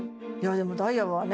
でもダイヤはね